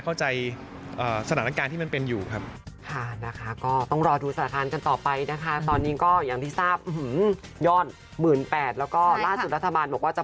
เข้าใจสถานการณ์ที่มันเป็นอยู่ครับ